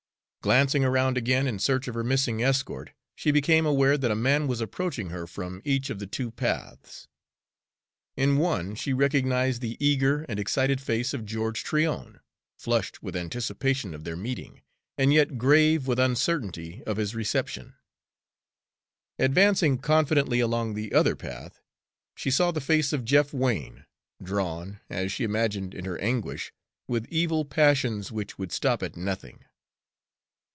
Glancing around again in search of her missing escort, she became aware that a man was approaching her from each of the two paths. In one she recognized the eager and excited face of George Tryon, flushed with anticipation of their meeting, and yet grave with uncertainty of his reception. Advancing confidently along the other path she saw the face of Jeff Wain, drawn, as she imagined in her anguish, with evil passions which would stop at nothing.